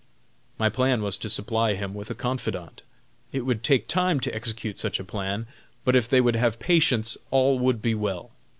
My plan was to supply him with a confidant. It would take time to execute such a plan, but if they would have patience all would be well.